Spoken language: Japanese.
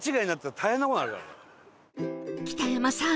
北山さん